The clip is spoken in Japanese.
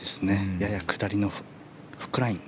やや下りのフックライン。